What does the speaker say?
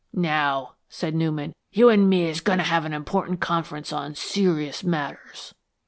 "Now," said Newman, "you and me is goin' to have an important conference on serious matters."